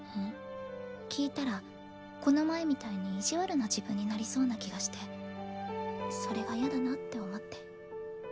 聞いたらこの前みたいに意地悪な自分になりそうな気がしてそれがやだなって思って。